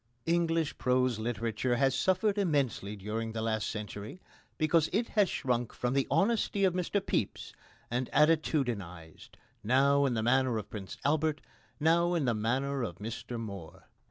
English prose literature has suffered immensely during the last century because it has shrunk from the honesty of Mr Pepys and attitudinised, now in the manner of Prince Albert, now in the manner of Mr Moore.